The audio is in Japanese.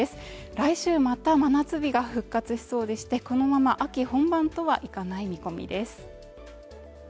来週また真夏日が復活しそうでしてこのまま秋本番とはいかない見込みです